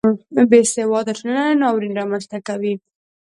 بې سواده ټولنه ناورین رامنځته کوي